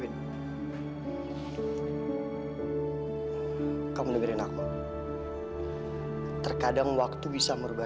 ternyata bukan perasaan kamu aja yang berubah